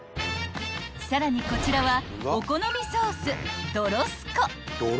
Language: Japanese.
［さらにこちらはお好みソース］